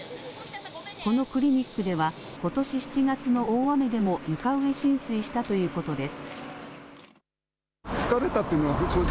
このクリニックではことし７月の大雨でも床上浸水したということです。